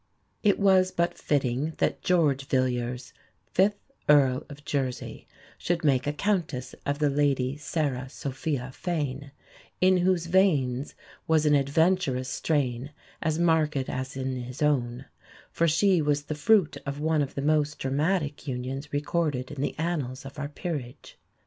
It was but fitting that George Villiers, fifth Earl of Jersey, should make a Countess of the Lady Sarah Sophia Fane, in whose veins was an adventurous strain as marked as in his own; for she was the fruit of one of the most dramatic unions recorded in the annals of our Peerage.